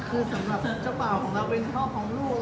คือสำหรับเจ้าบ่าวของเราเป็นพ่อของลูก